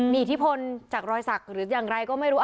มีอิทธิพลจากรอยสักหรืออย่างไรก็ไม่รู้